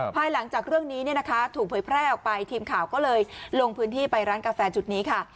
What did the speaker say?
ภายหลังจากเรื่องนี้เนี่ยนะคะถูกเผยแพร่ออกไปทีมข่าวก็เลยลงพื้นที่ไปร้านกาแฟจุดนี้ค่ะ